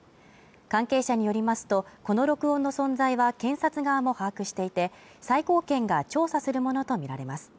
関係者によりますと、この録音の存在は検察側も把握していて、最高検が調査するものとみられます。